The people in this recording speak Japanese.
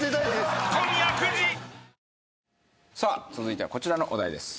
さあ続いてはこちらのお題です。